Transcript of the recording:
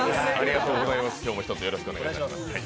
今日もひとつよろしくお願いします。